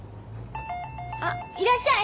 あっいらっしゃい。